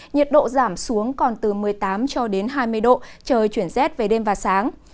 nhiệt độ giảm xuống còn từ một mươi tám cho đến hai mươi độ trời chuyển rét về đêm và sáng